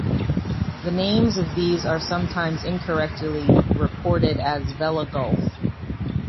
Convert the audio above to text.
The names of these are sometimes incorrectly reported as "Vela Gulf".